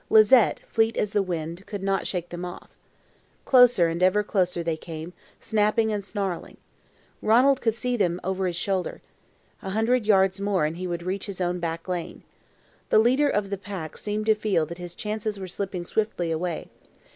Lizette, fleet as the wind, could not shake them off. Closer and ever closer they came, snapping and snarling. Ranald could see them over his shoulder. A hundred yards more and he would reach his own back lane. The leader of the pack seemed to feel that his chances were slipping swiftly away.